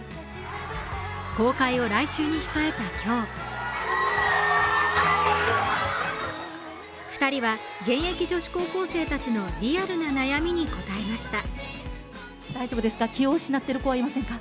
公開を来週に控えた今日２人は現役女子高校生たちのリアルな悩みに答えました。